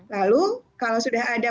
lalu kalau sudah ada